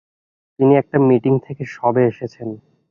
তিনি একটা মিটিং থেকে সবে এসেছেন।